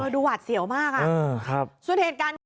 ดูหวัดเสี่ยวมาก